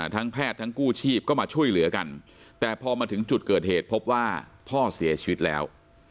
แพทย์ทั้งกู้ชีพก็มาช่วยเหลือกันแต่พอมาถึงจุดเกิดเหตุพบว่าพ่อเสียชีวิตแล้ว